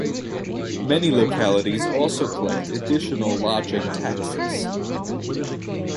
Many localities also collect additional lodging taxes.